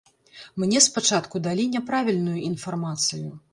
Мне спачатку далі няправільную інфармацыю.